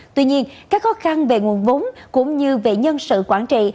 tuy nhiên các khó khăn về nguồn vốn cũng như về nhân sự quản trị